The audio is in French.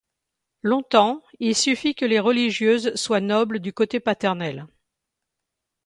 Longtemps, il suffit que les religieuses soient nobles du côté paternel.